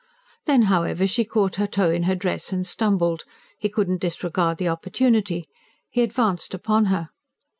Then, however, she caught her toe in her dress and stumbled. He could not disregard the opportunity; he advanced upon her.